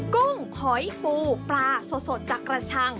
กุ้งหอยฟูปลาสดจากกระชัง